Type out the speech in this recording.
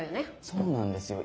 そうなんですよ。